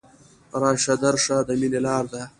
راشه درشه د ميني لاره ده